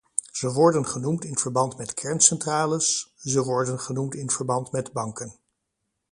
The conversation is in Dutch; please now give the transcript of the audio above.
Ze worden genoemd in verband met kerncentrales; ze worden genoemd in verband met banken.